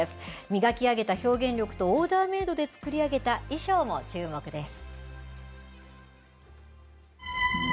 磨き上げた表現力と、オーダーメードで作り上げた衣装も注目です。